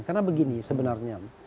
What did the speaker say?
karena begini sebenarnya